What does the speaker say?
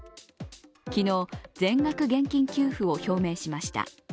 昨日、全額現金給付を表明しました